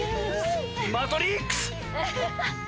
マトリックス！